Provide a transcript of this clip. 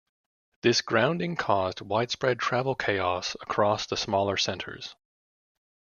This grounding caused widespread travel chaos across the smaller centres.